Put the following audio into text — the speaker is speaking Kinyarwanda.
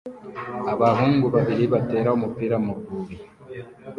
Abahungu babiri batera umupira mu rwuri